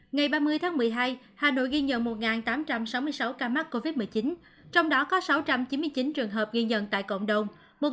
ngày ba mươi tháng một mươi hai hà nội ghi nhận một tám trăm sáu mươi sáu ca mắc covid một mươi chín trong đó có sáu trăm chín mươi chín trường hợp ghi nhận tại cộng đồng